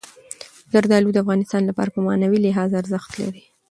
زردالو د افغانانو لپاره په معنوي لحاظ ارزښت لري.